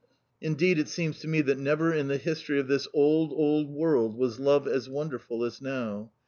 Indeed it seems to me that never in the history of this old, old world was love as wonderful as now.